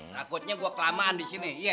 takutnya gua kelamaan di sini iya